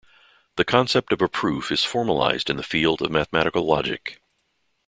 The concept of a proof is formalized in the field of mathematical logic.